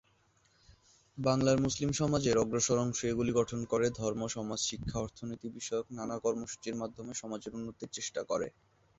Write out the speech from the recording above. বাংলার মুসলিম সমাজের অগ্রসর অংশ এগুলি গঠন করে ধর্ম, সমাজ, শিক্ষা, অর্থনীতি বিষয়ক নানা কর্মসূচির মাধ্যমে সমাজের উন্নতির চেষ্টা করে।